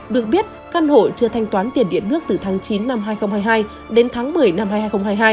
được biết căn hộ chưa thanh toán tiền điện nước từ tháng chín năm hai nghìn hai mươi hai đến tháng một mươi năm hai nghìn hai mươi hai